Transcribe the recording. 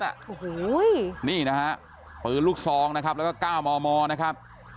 น่ะโอ้โหนะฮะนี่นะฮะสองนะครับแล้วก็เก้ามนะครับ